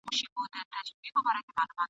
عزرائیل مي دی ملګری لکه سیوری !.